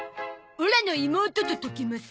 オラの妹と解きます。